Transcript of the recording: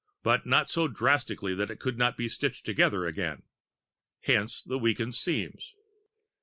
but not so drastically that it could not be stitched together again. Hence the weakened seams.